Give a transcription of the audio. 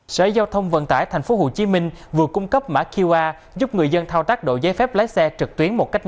sở giao thông vận tải tp hcm vừa cung cấp mã qr giúp người dân thao tác đội giấy phép lái xe trực tuyến một cách nhanh